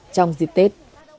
trong dịp tết